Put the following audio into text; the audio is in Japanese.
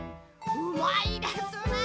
うまいですね。